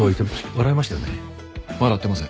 笑ってません。